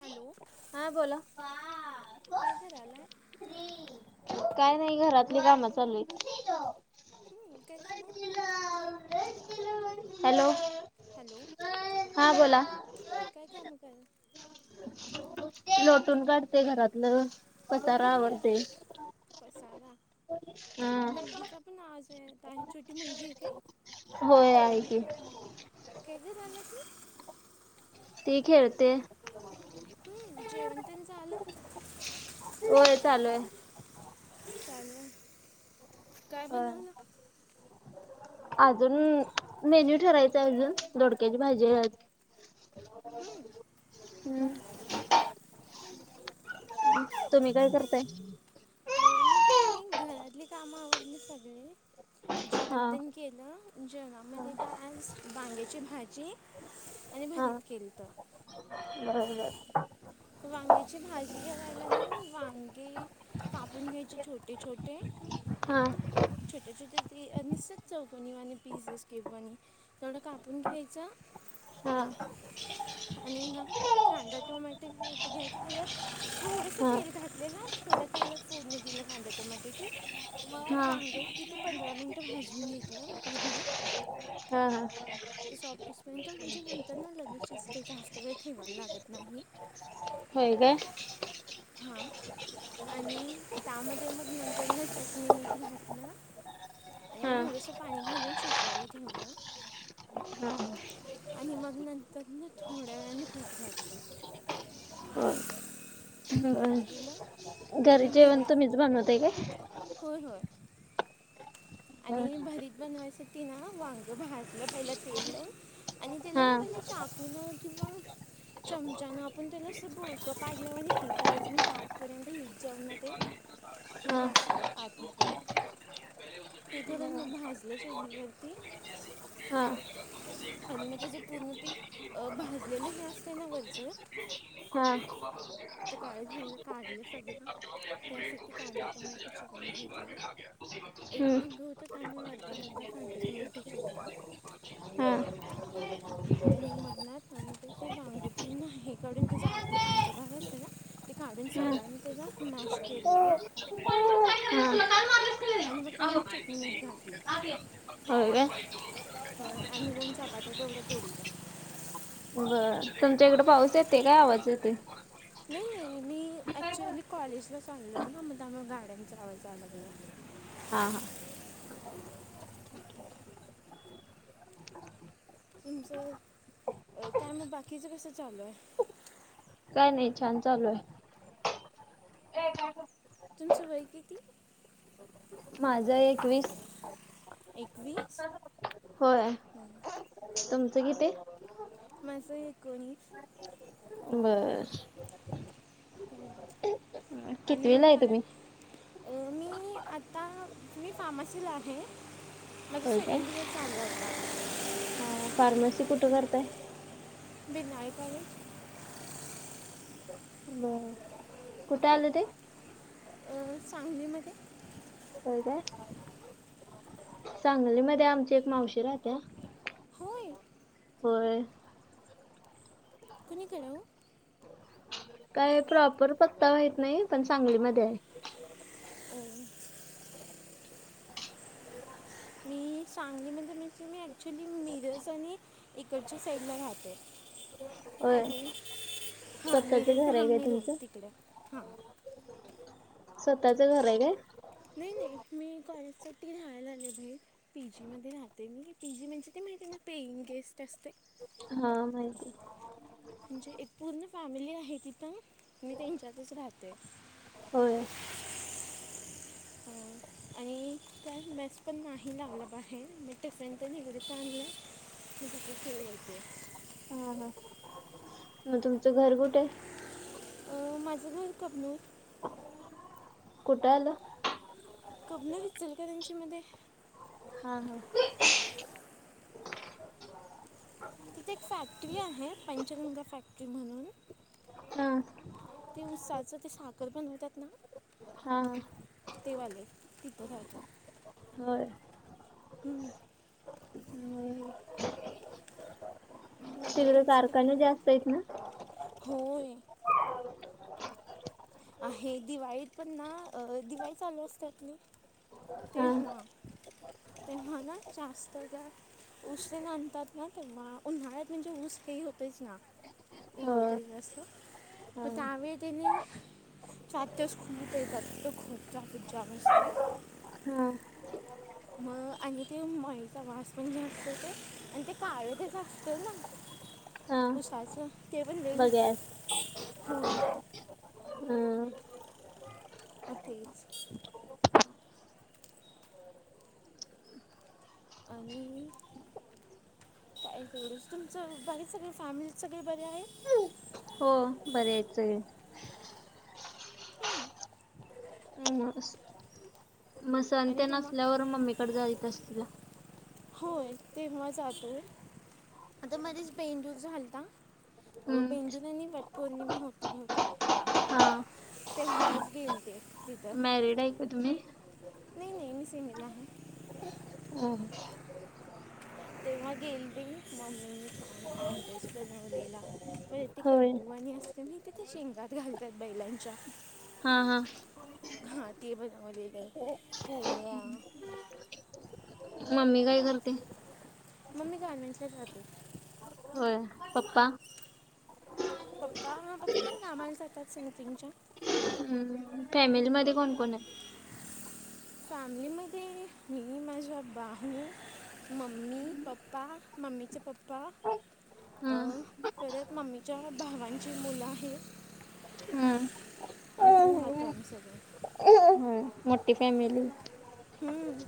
Hello हा बोला काय करायलाय काय नाही घरातली काम चालू आहेत [unintelligible] हॅलो हॅलो हा बोला काय काम का लोटून काढते घरातलं कसार हं, आवडते हा पनाज होय आहे की [unintelligible] ती खेळते हम्म जयवंतन झा आलं होय चालू आहे चालेल काय बन होय. ना अजून मेन्यू ठरायचं अजून ोडक्याची भाजी हम हम्म. तुम्ही काय करताय अ मी काय नाही घरातली कामं आवडली सगळे हा. जेवंतन केलं जेवणामध्ये का आज बांग्याची भाजी आणि हा. भरीत केली तर बरोबर वांगेची भाजी ज रायला मग वांगी कापून घ्यायचे छोटे छोटे हा छटेछटे ती निस्ित चौक आणि पिस एसकेप आणि तेवढं कापून घ्यायचं हा आणि ना कांदा टोमॅट घ थोडसे तेल घातले ना थोड तेलच फोड कि ल खांत कमटीची मग हा हा वांगे किती पंधरा मिनटं भाजून घेतलं पुन्हा हा सॉफ्टडिस्पिन तर म्हणजे नंतर ना लगेचिस् ते जास्त वेळ ठेवायला लागत नाही होय का हा आणि त्यामध्ये मग नंतर चटणी घात ना आणि हा मग थोडंसं पाणी घालून शिजवायला ठेवलं हा आणि मग नंतरन थोड्या वेळानेट घटलं होय तघला घरी जेवण तु म्च बनवते का हो हो हा आणि भरीत बनवायसाठी ना वांग भाजलं पहिला तेल लावून आणि त्याला हा ना पहिले चापण किंवा चमचान आपण त्याला अस भकं पाडल्यावर हे करायचं म्हणजे आतपर्यंत यज जाऊ ना ते हा भाासते हा आत्मवरण ते करून हम्म मग भाजलं शेलीवररती हा आणि मग त्याच पूर्ण ते भाजलेले नाही असते ना वरचं वापस ते काळं झालं घर काढलं ोडा सगळं आप त्यासाठी कांदा बेड टोमॅटो चिरून ब घेतला एकी एक बार वांगं होतं म त्यामुळे अर्धा अर्धा खा कांदा टोमॅटो ग चिरला हम हा हो आणि मगनात ते वांग पूर्ण आहेकडून तचा आतलं पांज भाग अस तला ते काढून सगळ्यांनी त्याचा मॅश केले ते आणि मगत आम्ही ते चटणी मीठ घातलं काय हो आणिघून पाात ोढ ठे बर तुमच्या इकडे पाऊस येते काय आवाज येते नाही नाही मी ॲक्च्युअली कॉलेजला चालो आहे ना मला मग गार्डन जावं जालागलं हा हा ह ठी तुमचं काय मग बाकीचं कसं चालू आहे काय नाही छान चालू आहे एक का तुमचं वई कतीली माझं एकवीस एकवीस होय तुमचं किती माझं एकोणीस बर आणि कितवीला आहे काय तुम्ही? मी आत्ता मी फार्मसीला आहे माझं होय काय? सेकंड इयर चालू होता फार्मसी कुठं करताय बिनायकले ब कुठाल ते अ चांगलीमध्ये हो ते सांगलीमध्ये आमच्या एक मावशी राहत्या होय होय कोणीकरराव काय प्रॉपर पत्ता माहत नाही पण सांगलीमध्ये आहे म मी सांगली म्हण म्ह मी ऍक्च्युली मिरस आणि इकडच्या साईड ला राहते काय होय. ते हा स्वतःच घर आहे काय निीघच ांबणी तुमचं? दोज तिकडे हा स्वतःचं घर आहे का नाही नाही मी कॉलेजसाठी राहायला आले बाई पीजी मध्ये राहते मी पी जी म्हणजे ते म्हणे त्यांना पेइंग गेस्ट असते हा माहिती आहे म्हणजे एक पूर्ण फॅमिली आहे तिथं मी त्यांच्यातच राहते होय आणि त्यात मॅस पण नाही लावलं पा आहे मग टिफरेंनीकडे चां आणलं कती ख यते हम हम मग तुमचं घर कुठे माझं घव कपनूर कुठं आलं कबलं विसेल का त्यांच्या मध्ये हा हा तिथे एक फॅक्टरी आहे पंचगंगा फॅक्टरी म्हणून हा ते उत्साचं ते साखर बनवतात ना हा ते वाले तिथं राहतो हो हम्म बाकी तगडं तुमचं काय? कारखाने जास्त आहेत ना होय आहे दिवाळीत पण ना दिवाळी चालू असततली हा तेव्हा तेव्हा ना जास्त ग ऊस घणतात ना तर उन्हाळ्यात म्हणजे ऊस काही होतेच ना हो गौत अस असतू ह पण त्यामुळे तिने चार तेस खूमीत येतात त खूप ट्राफिक जाम असते हम मग आणि ते माईचा वास पण जे असत ते आणि ते काळे तेच असत ना हा उसाचं ते पण वेगच बघ्यात होय हम् होच आणि तुमचं बाकी सगळे फॅमिली सगळे बरे आहेत हो बर यायचं मग संत आणि तुम्हा नसल्यावर मम्मीकडे जायच अस तुला होय तेव्हा जातोय आता मध्येच पेनजूस घालता अ बेंंदुून आणि वट पौर्णिमा होती बवते हा तेव्हाच गेल ते मॅरिड आहे का तुम्ही नाही नाही मी सिंगल आहे ह तरवगेल मम म ख काम बोसतवलेला ब ते होय. कडबूवाणी असते म तिथे शेंगात घालतात बैलांच्या हा हा हां ते बज मज का पोळ आहे मम्मी काय करते मम्मी कान्वन्सर खात होय पप पप्पा ह पप्पा पण कामाला जातात स ना तिंगच्या हम्म फॅमिलीमध्ये कोण कोण आहे फॅमिलीमध्ये मी माझ्या भाहू मम्मी पप्पा मम्मीचे पप्पा हम्म पप्पा खऱत मम्मीच्या भावांची मुलं आहेत अदी होय हातम सगळे मोठी फॅमिली हम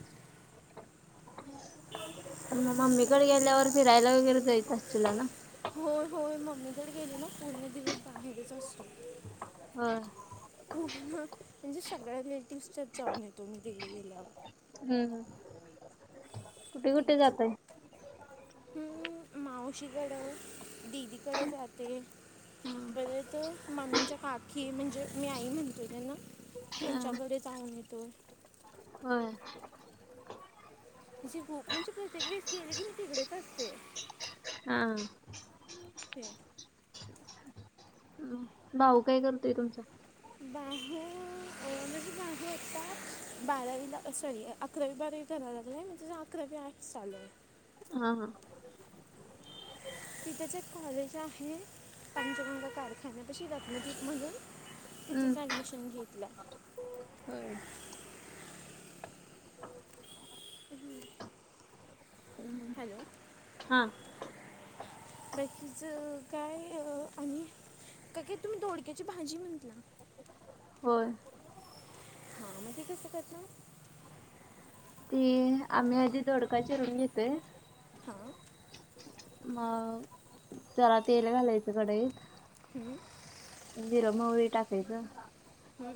[unintelligible] मग मम्मीकडे गेल्यावर फिरायला वगैरे जाईत असतीला ना होय होय मम्मी कडे गेलेलो पूर्ण दिवस बाहेरच असतोय, हा म्हणजे सगळ्या रिलेटिव्हज च्यातं जाऊन येतो मी तिकडे गेल्यावर हम् हम कुठे जातायं? ह्म मावशीकडं दिदीकडे जाते, परत ममीच्या काकी म्हणजे मी आई म्हणते त्यांना हा त्यांच्याकडे जाऊन येतो, होय अशी खूप म्हणजे प्रत्येक वेळेस गेली कि मी तिकडेच असते हा. ते भाऊ काय करतोय तुमचा भाऊ म्हणजे गाडी नुकताचं बारावी सॉरी अकरावी बारावी कराय लागल्याय म्हणजे अकरावी आर्टस चालू आहे, हा हा तिथेच एक कॉलेज आहे, पंचगंगा कारखान्यातशी रतनदीप म्हणून हम्म. तितंच ऍडमिशन घेतलं, होय [unintelligible] हॅलो. हा. [inaudible] बाकीच काय आणि? काय, काय, तुम्ही दोडक्याची भाजी म्हटलां होय. हा, मग ते कसं करता? ते आम्ही आधी दोडका चीरून घेतोय हा. मग, जरा तेल घालायचं कढईत हं. जिरं -मोहरी टाकयचं ह्म.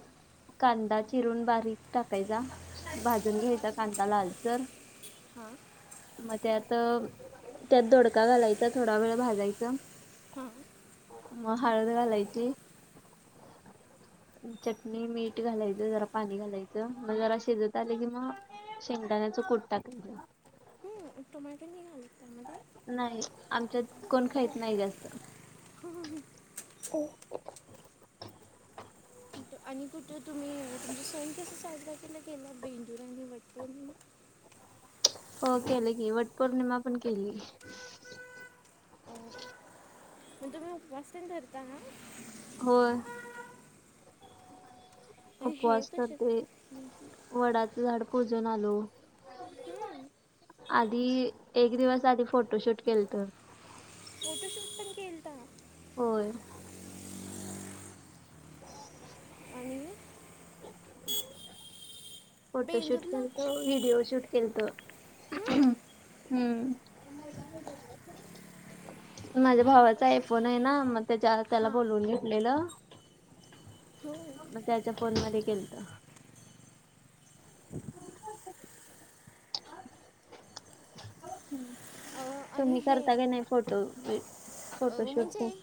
कांदा चिरून बारीक टाकायचा. भाजून घ्यायचा कांदा, लालसर हां. मग त्यातं, त्यात दोडका घालायचा. थोडा वेळ भाजायचं हं. मग, हळद घालायची चटणी- मीठ घालायचं. जरा पाणी घालायचं. मग जरा शिजत आलं की, मग शेंगदाण्याचं कुट टाकायचं हां टोमॅटो नाही घालत, त्यामध्ये? नाही. आमच्यात, कोण खाईत नाही जास्त [unintelligible] [unintelligible] आणि कुठं तुम्ही? तुमचा सण कसां साजरा केला? बेंदूर आणि वटपौर्णिमा. हो केलं की. वटपौर्णिमा पण केली. [inaudible] पण तुम्ही, उपवास पण धरता ना? होय. हे उपवास तसेच करते. वडाचं झाड पुजून आलो. हम्. आधी, एक दिवस आधी. फोटोशूट केलतं. फोटोशूट पण केलतं! होय. आणि [unintelligible] फोटोशूट बेंदूरला केलतं. व्हिडिओ शूट केलतं. हम्म. [unintelligible] हम्म. [inaudible] माझ्या भावाचा आयफोन य ना. मग त्याच्या त्याला हां बोलवून घेतलेलं. हो मग, त्याच्या फोनमध्ये केलतं. हं. अं, आणि तुम्ही हे करता का नाही? फोटो, अं, फोटोशूट ते. म्हणजे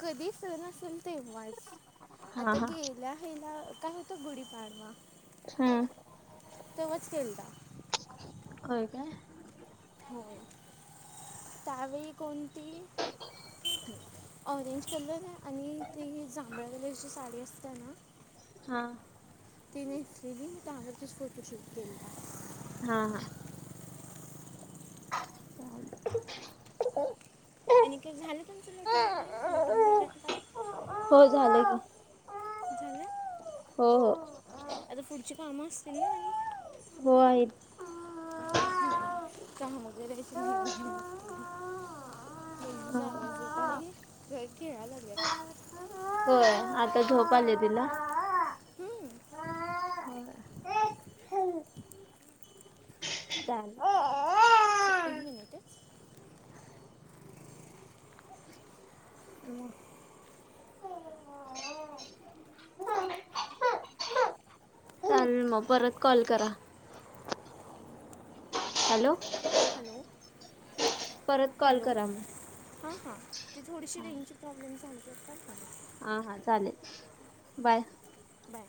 कधी सण असेल, तेव्हाच. हा आता हा गेल्या हयला काय हो गुढीपाडवा हं. तेव्हाच केलता. होय, काय? होय. त्यावेळी कोणती? [inaudible] ऑरेंज कलर आणि ती, ही जांभळ्या कलरची साडी असते ना? हा. ति नेेसलेली. पाण्यातच फोटोशूट केलता. हा, हा. [inaudible] अनिकेत, झालं तुमचं, लोटून काडून. लोटून हा काड का हो झालंय का. झाले. हो हो. आता पुढची कामं असतील ना आणि. वय. काम वगैरे स नाही हो घे लागत. मुीचा आवाज येत आहे घर घेळायला लागलाता. होय आता झधोप आली तिला. हम्म. होय अ. स एक मिनिटच. मग चालेल मग परत कॉल करा. हॅलो. हॅलो. परत. कॉल हॅलो करा मग हां हां ती थोडीशी रेंगची प्रॉब्लेम झाली हो का खले. हा हा चालेल बाय. बाय